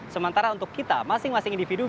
sementara untuk kita masing masing individu